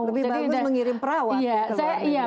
lebih bagus mengirim perawat